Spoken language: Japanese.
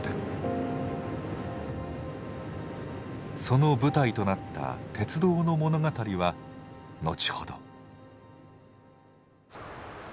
その舞台となった鉄道の物語は後ほど。